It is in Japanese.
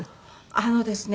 あのですね